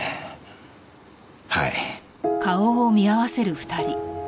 はい。